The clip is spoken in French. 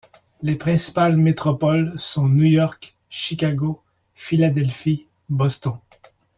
Les principales métropoles sont New York, Chicago, Philadelphie, Boston…